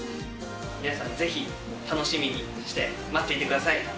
皆さん、ぜひ楽しみにして、待っていてください。